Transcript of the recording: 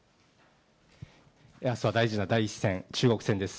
あすは大事な第１戦、中国戦です。